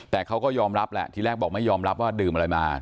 แต่เขาก็ยอมรับแหละทีแรกบอกไม่ยอมรับว่าดื่มอะไรมา